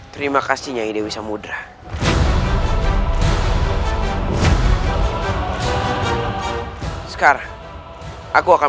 sisi ingin men horohkan